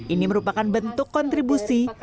ini merupakan bentuk kontribusi